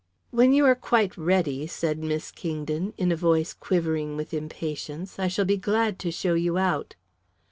"When you are quite ready," said Miss Kingdon, in a voice quivering with impatience, "I shall be glad to show you out."